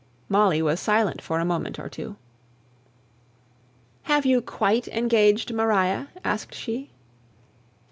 Molly was silent for a moment or two. "Have you quite engaged Maria?" asked she.